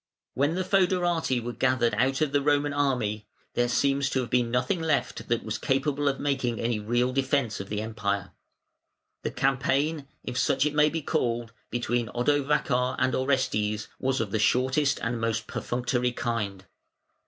When the fœderati were gathered out of the "Roman" army, there seems to have been nothing left that was capable of making any real defence of the Empire. The campaign, if such it may be called, between Odovacar and Orestes was of the shortest and most perfunctory kind.